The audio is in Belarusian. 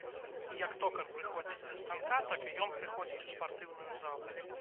Як токар прыходзіць да станка, так і ён прыходзіць у спартыўную залу.